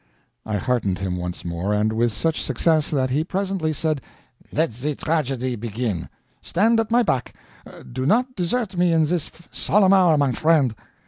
I heartened him once more, and with such success that he presently said, "Let the tragedy begin. Stand at my back; do not desert me in this solemn hour, my friend."